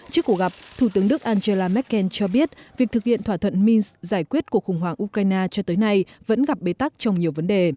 trước cuộc gặp thủ tướng đức angela merkel cho biết việc thực hiện thỏa thuận mins giải quyết cuộc khủng hoảng ukraine cho tới nay vẫn gặp bế tắc trong nhiều vấn đề